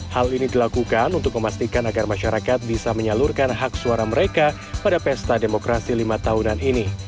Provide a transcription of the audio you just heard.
hal ini dilakukan untuk memastikan agar masyarakat bisa menyalurkan hak suara mereka pada pesta demokrasi lima tahunan ini